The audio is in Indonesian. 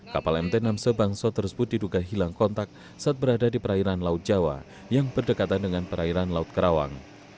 kapal mt enam c bangso tersebut diduga hilang kontak saat berada di perairan laut jawa yang berdekatan dengan perairan laut karawang